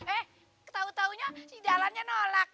eh ketau taunya si dahlan nya nolak